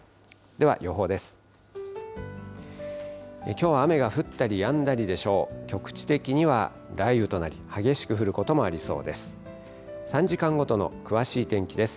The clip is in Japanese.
では予報です。